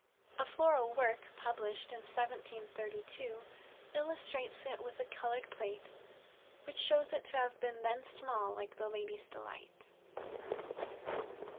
A floral work published in 1732, illustrates it with a colored plate, which shows it to have been then small like the Ladies' Delight.